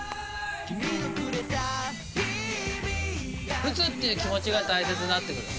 打つっていう気持ちが大切になってきます。